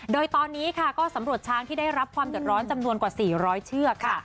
โดยตอนนี้ค่ะก็สำรวจช้างที่ได้รับความเดือดร้อนจำนวนกว่า๔๐๐เชือกค่ะ